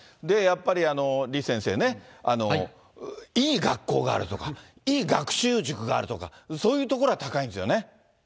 やっぱり李先生ね、いい学校があるとか、いい学習塾があるとか、そういう所は高いんですよね。